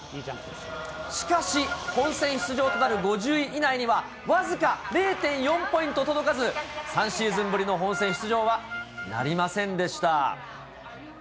しかし、本戦出場となる５０位以内には僅か０．４ポイント届かず、３シーズンぶりの本戦出場はなりませんでした。